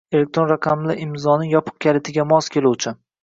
elektron raqamli imzoning yopiq kalitiga mos keluvchi